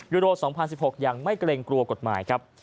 โร๒๐๑๖ยังไม่เกรงกลัวกฎหมายครับ